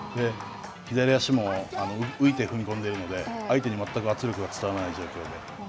左足も浮いて踏み込んでいるので、相手に全く圧力が伝わらない状況